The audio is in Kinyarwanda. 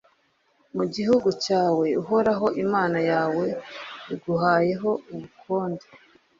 mu gihugu cyawe uhoraho imana yawe aguhayeho ubukonde: